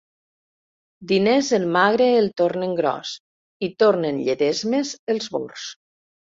Diners el magre el tornen gros, i tornen lledesmes els bords.